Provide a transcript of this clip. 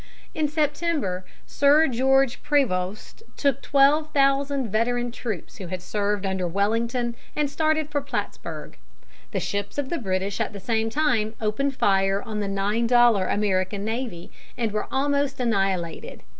In September, Sir George Prevost took twelve thousand veteran troops who had served under Wellington, and started for Plattsburg. The ships of the British at the same time opened fire on the nine dollar American navy, and were almost annihilated.